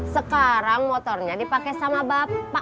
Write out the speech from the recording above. sekarang motornya dipakai sama bapak